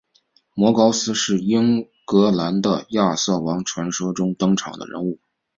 摩高斯是英格兰的亚瑟王传说中登场的人物。